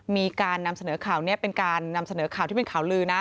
มีการนำเสนอข่าวนี้เป็นการนำเสนอข่าวที่เป็นข่าวลือนะ